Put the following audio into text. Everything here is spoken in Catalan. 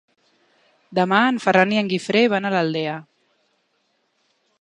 Demà en Ferran i en Guifré van a l'Aldea.